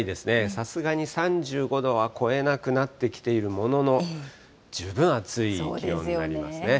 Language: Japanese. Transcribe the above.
さすがに３５度は超えなくなってきているものの、十分暑い気温になりますね。